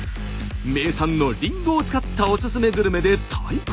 名産のりんごを使ったおすすめグルメで対抗。